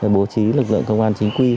bố trí lực lượng công an chính quy